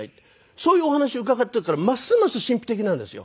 そういうお話を伺っているからますます神秘的なんですよ。